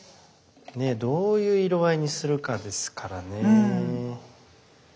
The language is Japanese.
ねどういう色合いにするかですからね。